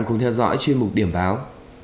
cùng theo dõi chuyên mục điểm báo